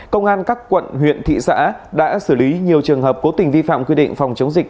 công an các quận huyện thị xã đã xử lý nhiều trường hợp cố tình vi phạm quy định phòng chống dịch